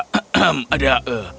pelamar datang untuk menemuimu